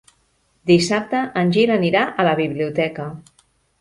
Dissabte en Gil anirà a la biblioteca.